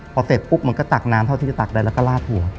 พอเสร็จปุ๊บมันก็ตักน้ำเท่าที่จะตักได้แล้วก็ลาดหัว